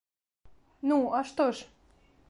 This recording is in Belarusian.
Ну, а што ж?